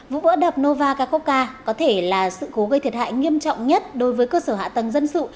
vụ vỡ đập nova kakoka có thể là sự cố gây thiệt hại nghiêm trọng nhất đối với cơ sở hạ tầng dân sự